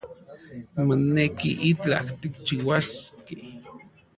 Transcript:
Moneki itlaj tikchiuaskej